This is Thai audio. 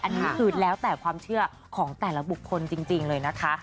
อันนี้คือแล้วแต่ความเชื่อของแต่ละบุคคลจริงเลยนะคะ